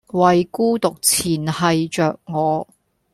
為孤獨纏繫著我